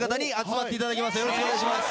よろしくお願いします。